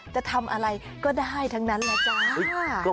จะทำอะไรก็ได้ทั้งนั้นแหละจ้า